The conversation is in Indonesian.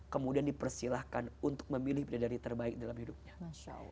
kemudian dipersilahkan untuk memilih bidadari terbaik dalam hidupnya